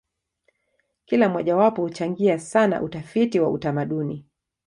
Kila mojawapo huchangia sana utafiti wa utamaduni.